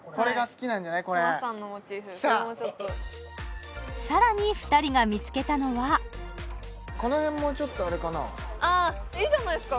これもちょっとさらに２人が見つけたのはこの辺もちょっとあれかなああいいじゃないですか！